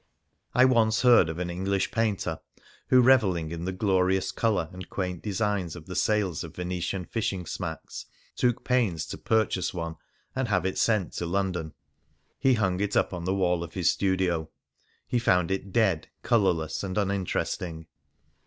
I once heard of an English painter who, revelling in the glorious colour and quaint designs of the sails of Venetian fish ing smacks, took pains to purchase one and have it sent to London. He hung it up on the wall of his studio ; he found it dead, colourless, and uninteresting.